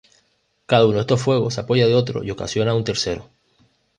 Cada uno de estos fuegos se apoya de otro y ocasiona un tercero.